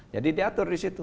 jadi diatur disitu